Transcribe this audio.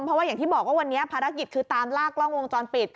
เพราะว่าอย่างที่บอกว่าวันนี้ภารกิจคือตามลากกล้องวงจรปิด